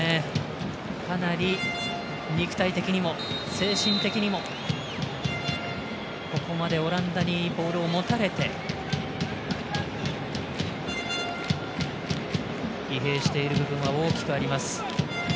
かなり肉体的にも精神的にも、ここまでオランダにボールを持たれて疲弊してる部分は大きくあります。